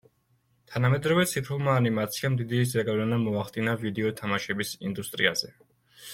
თანამედროვე ციფრულმა ანიმაციამ დიდი ზეგავლენა მოახდინა ვიდეო თამაშების ინდუსტრიაზე.